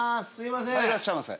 はいいらっしゃいませ。